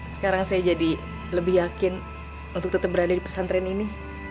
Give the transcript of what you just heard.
sekarang saya jadi lebih yakin untuk tetap berada di pesantren ini